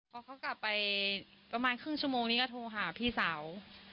พอเขากลับไปประมาณครึ่งชั่วโมงนี้ก็โทรหาพี่สาว